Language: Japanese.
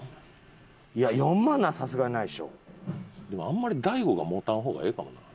あんまり大悟が持たん方がええかもな。